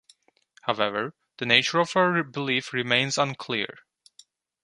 However, the nature of her belief remains unclear.